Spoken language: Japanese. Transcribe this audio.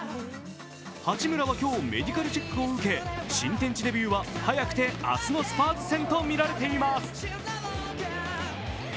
八村は今日、メディカルチェックを受け新天地デビューは早くて明日のスパーズ戦とみられています。